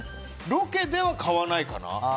ロケでは買わないかな。